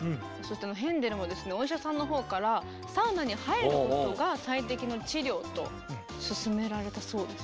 ヘンデルもですねお医者さんのほうからサウナに入ることが最適の治療と勧められたそうです。